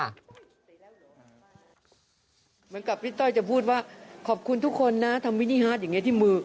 เหมือนกับพี่ต้อยจะพูดว่าขอบคุณทุกคนนะทำมินิฮาร์ดอย่างนี้ที่มือ